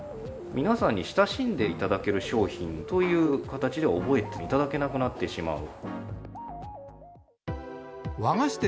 皆さんに親しんでいただける商品という形で覚えていただけなくなってしまう。